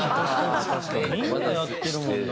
みんなやってるもんな。